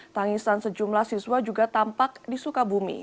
tangisan sejumlah siswa juga tampak disuka bumi